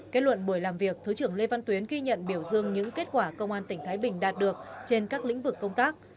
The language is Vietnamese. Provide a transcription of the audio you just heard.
kết luận buổi làm việc thứ trưởng lê văn tuyến ghi nhận biểu dương những kết quả công an tỉnh thái bình đạt được trên các lĩnh vực công tác